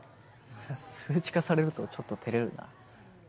数値化されるとちょっと照れるな。